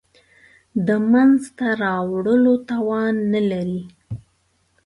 د منځته راوړلو توان نه لري.